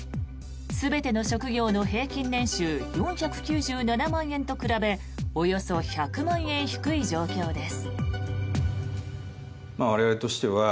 全ての職業の平均年収４９７万円と比べおよそ１００万円低い状況です。